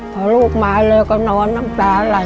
พาลูกมาเลยก็นอนน้ำตาเลย